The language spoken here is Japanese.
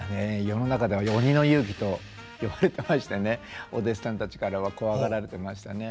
世の中では「鬼の雄輝」と呼ばれてましてねお弟子さんたちからは怖がられてましたね。